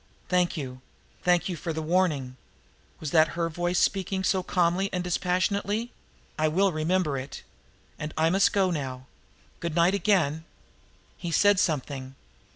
"Thank you thank you for the warning." Was that her voice speaking so calmly and dispassionately? "I will remember it. But I must go now. Good night again!" He said something.